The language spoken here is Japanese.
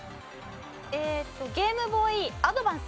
えーっとゲームボーイアドバンス。